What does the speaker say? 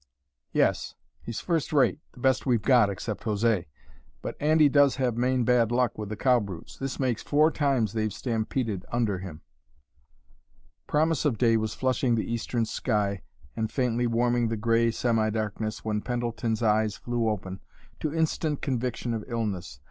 "Yes; he's first rate; the best we've got, except José. But Andy does have main bad luck with the cow brutes. This makes four times they've stampeded under him." Promise of day was flushing the eastern sky and faintly warming the gray semi darkness when Pendleton's eyes flew open, to instant conviction of illness.